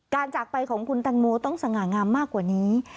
จากไปของคุณตังโมต้องสง่างามมากกว่านี้